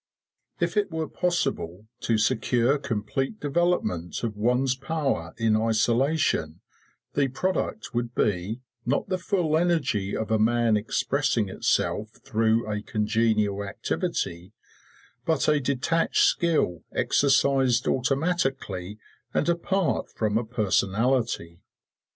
If it were possible to secure complete development of one's power in isolation, the product would be, not the full energy of a man expressing itself through a congenial activity, but a detached skill exercised automatically and apart from a personality.